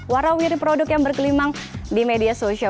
warahwiri produk yang bergelimang di media sosial